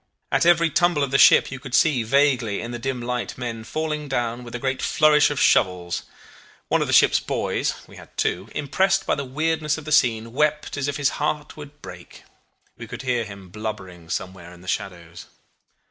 At every tumble of the ship you could see vaguely in the dim light men falling down with a great flourish of shovels. One of the ship's boys (we had two), impressed by the weirdness of the scene, wept as if his heart would break. We could hear him blubbering somewhere in the shadows.